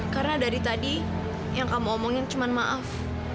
karena dari tadi yang kamu omongin cuma maaf